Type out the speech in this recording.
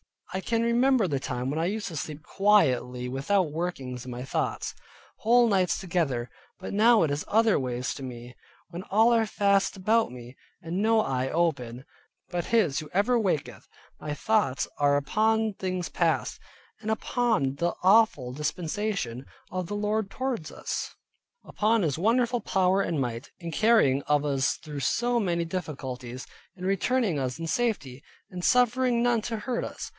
I can remember the time when I used to sleep quietly without workings in my thoughts, whole nights together, but now it is other ways with me. When all are fast about me, and no eye open, but His who ever waketh, my thoughts are upon things past, upon the awful dispensation of the Lord towards us, upon His wonderful power and might, in carrying of us through so many difficulties, in returning us in safety, and suffering none to hurt us.